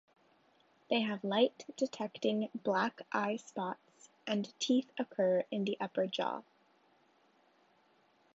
They have light-detecting black eye spots, and teeth occur in the upper jaw.